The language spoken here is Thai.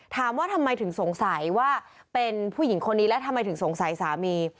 ถามว่าทำไมถึงสงสัยว่าเป็นผู้หญิงคนนี้แล้วทำไมถึงสงสัยสามี